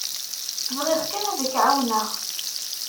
Bɣiɣ kan ad k-εawneɣ.